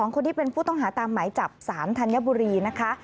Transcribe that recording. คนที่เป็นผู้ต้องหาตามหมายจับสารธัญบุรีนะคะ